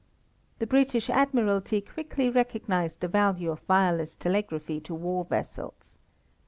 The British Admiralty quickly recognized the value of wireless telegraphy to war vessels.